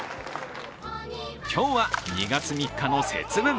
今日は２月３日の節分。